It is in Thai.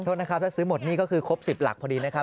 โทษนะครับถ้าซื้อหมดนี่ก็คือครบ๑๐หลักพอดีนะครับ